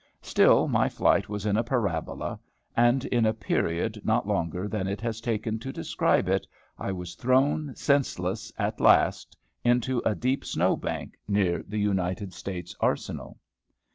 Still my flight was in a parabola; and, in a period not longer than it has taken to describe it, I was thrown senseless, at last, into a deep snow bank near the United States Arsenal.